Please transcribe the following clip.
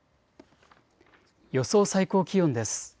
予想最高気温です。